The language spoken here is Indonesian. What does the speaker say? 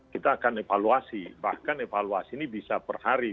kita akan evaluasi bahkan evaluasi ini bisa per hari